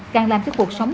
càng làm cho cuộc sống